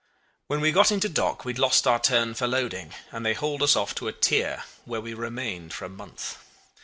When we got into dock we had lost our turn for loading, and they hauled us off to a tier where we remained for a month.